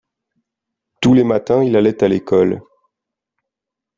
Tous les matins il allait à l’école.